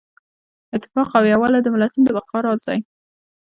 اتفاق او یووالی د ملتونو د بقا راز دی.